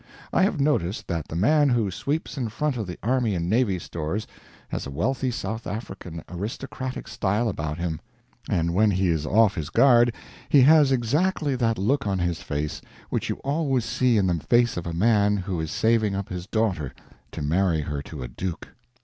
I have noticed that the man who sweeps in front of the Army and Navy Stores has a wealthy South African aristocratic style about him; and when he is off his guard, he has exactly that look on his face which you always see in the face of a man who is saving up his daughter to marry her to a duke.